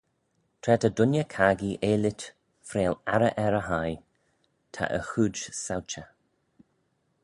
Tra ta dooinney-caggee eillit freayll arrey er e hie, ta e chooid sauchey.